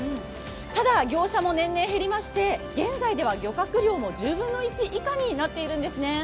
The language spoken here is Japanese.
ただ、業者も年々減りまして、現在では漁獲量も１０分の１以下になっているんですね